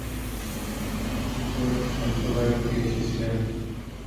তিনি লিঙ্গায়েত সম্প্রদায় থেকে এসেছিলেন।